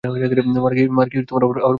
মার খেয়ে আবার বখশিশ দিতে হবে!